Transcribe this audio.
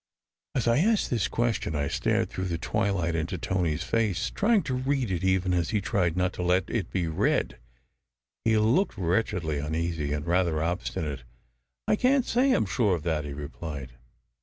As I asked this question, I stared through the twilight into Tony s face, trying to read it even as he tried not to let it be read. He looked wretchedly uneasy, and rather obstinate. " I can t say I m sure of that," he replied.